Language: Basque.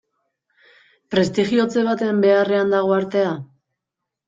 Prestigiotze baten beharrean dago artea?